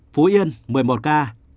phú yên một mươi năm ca